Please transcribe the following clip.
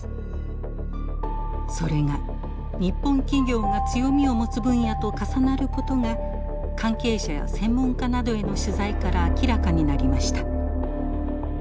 それが日本企業が強みを持つ分野と重なることが関係者や専門家などへの取材から明らかになりました。